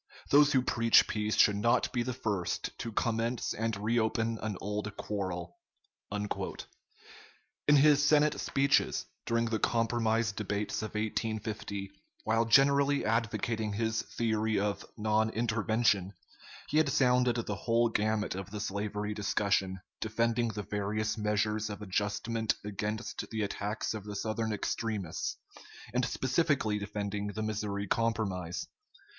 Those who preach peace should not be the first to commence and reopen an old quarrel." In his Senate speeches, during the compromise debates of 1850, while generally advocating his theory of "non intervention," he had sounded the whole gamut of the slavery discussion, defending the various measures of adjustment against the attacks of the Southern extremists, and specifically defending the Missouri Compromise.